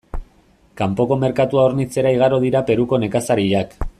Kanpoko merkatua hornitzera igaro dira Peruko nekazariak.